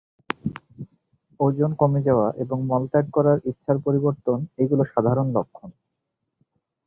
ওজন কমে যাওয়া এবং মলত্যাগ করার ইচ্ছার পরিবর্তন এইগুলো সাধারণ লক্ষণ।